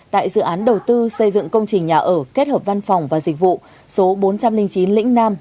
tại dự án đầu tư xây dựng công trình nhà ở kết hợp văn phòng và dịch vụ số bốn trăm linh chín lĩnh nam